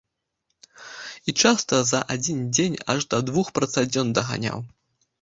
І часта за адзін дзень аж да двух працадзён даганяў!